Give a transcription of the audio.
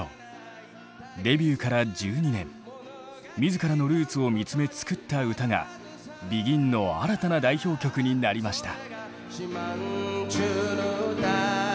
デビューから１２年自らのルーツを見つめ作った歌がＢＥＧＩＮの新たな代表曲になりました。